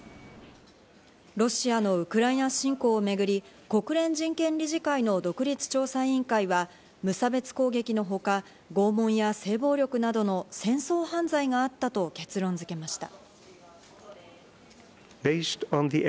ロシアのウクライナ侵攻をめぐり、国連人権理事会の独立調査委員会は、無差別攻撃のほか、拷問や性暴力などの戦争犯罪があったと結論付けました。